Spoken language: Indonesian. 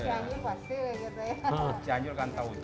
tapi cianjur pasti gitu ya